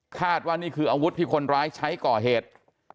คาดว่านี่คืออาวุธที่คนร้ายใช้ก่อเหตุ